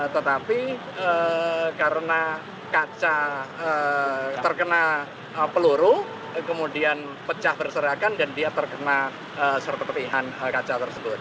tetapi karena kaca terkena peluru kemudian pecah berserakan dan dia terkena serta petihan kaca tersebut